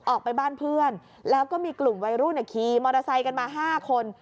ออกไปบ้านเพื่อนแล้วก็มีกลุ่มวัยรุ่นขี่มอเตอร์ไซค์กันมา๕คน